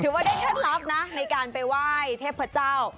ว่าได้เคล็ดลับนะในการไปไหว้เทพเจ้า